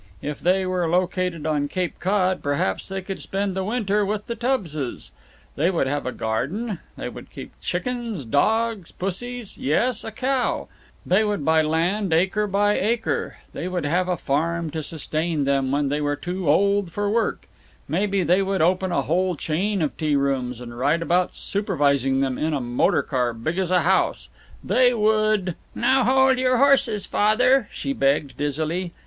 If they were located on Cape Cod, perhaps they could spend the winter with the Tubbses. They would have a garden; they would keep chickens, dogs, pussies, yes, a cow; they would buy land, acre by acre; they would have a farm to sustain them when they were too old for work; maybe they would open a whole chain of tea rooms and ride about supervising them in a motor car big as a house; they would "Now hold your horses, Father," she begged, dizzily.